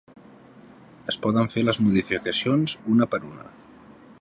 Es poden fer les modificacions una per una.